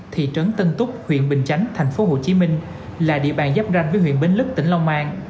thị trấn tân túc huyện bình chánh tp hcm là địa bàn giáp ranh với huyện bến lức tỉnh long an